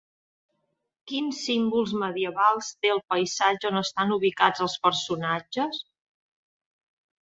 Quins símbols medievals té el paisatge on estan ubicats els personatges?